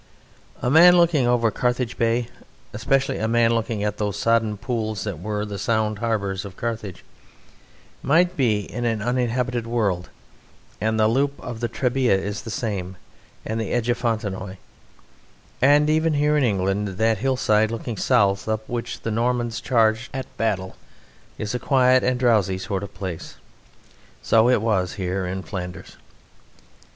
A man looking over Carthage Bay, especially a man looking at those sodden pools that were the sound harbours of Carthage, might be in an uninhabited world; and the loop of the Trebbia is the same, and the edge of Fontenoy; and even here in England that hillside looking south up which the Normans charged at Battle is a quiet and a drowsy sort of place.... So it was here in Flanders.